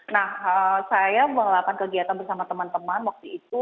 nah saya melakukan kegiatan bersama teman teman waktu itu